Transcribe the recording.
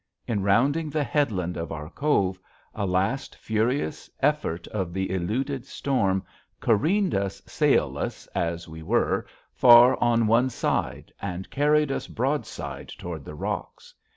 In rounding the headland of our cove a last furious effort of the eluded storm careened us sailless as we were far on one side and carried us broadside toward the rocks.